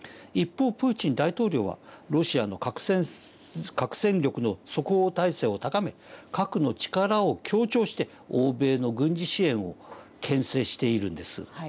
一方プーチン大統領はロシアの核戦力の即応体制を高め核の力を強調して欧米の軍事支援をけん制しているんです。